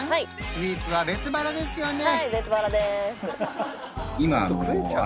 スイーツは別腹ですよね？